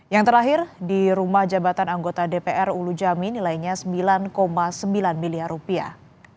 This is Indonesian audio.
yang terakhir di rumah jabatan anggota dpr ulu jami nilainya sembilan sembilan miliar rupiah